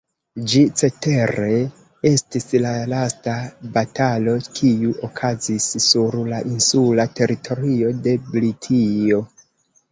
Ĝi cetere estis la lasta batalo, kiu okazis sur la insula teritorio de Britio.